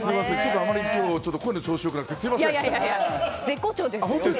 あまり今日は声の調子が良くなくてすみません。